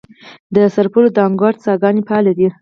د سرپل د انګوت څاګانې فعالې دي؟